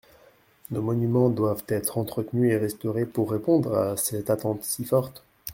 Nos monuments doivent être entretenus et restaurés pour répondre à cette attente si forte.